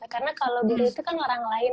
karena kalau guru itu kan orang lain